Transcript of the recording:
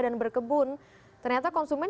dan berkebun ternyata konsumen